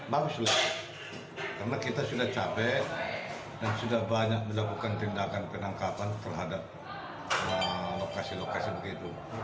bagus karena kita sudah capek dan sudah banyak melakukan tindakan penangkapan terhadap lokasi lokasi begitu